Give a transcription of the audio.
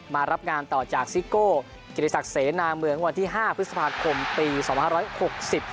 มารับงานต่อจากซิโก้กิติศักดิ์เสนาเมืองวันที่ห้าพฤษภาคมปีสองพันห้าร้อยหกสิบ